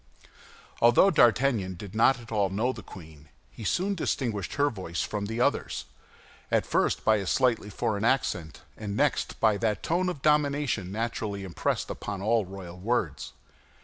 Although D'Artagnan did not at all know the queen, he soon distinguished her voice from the others, at first by a slightly foreign accent, and next by that tone of domination naturally impressed upon all royal words.